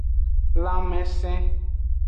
Lanmesen.